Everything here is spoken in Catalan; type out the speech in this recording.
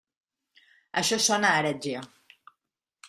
Això sona a heretgia.